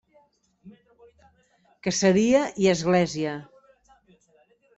Caseria i església.